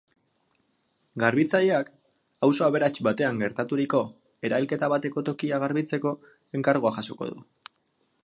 Garbitzaileak auzo aberats batean gertaturiko erailketa bateko tokia garbitzeko enkargua jasoko du.